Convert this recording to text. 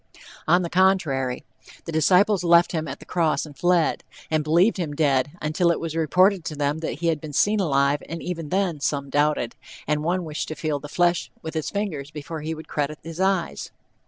On the contrary, the disciples left him at the cross and fled, and believed him dead, until it was reported to them that he had been seen alive, and even then "some doubted," and one wished to feel the flesh with his fingers before he would credit his eyes.